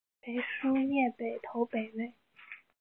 裴叔业北投北魏。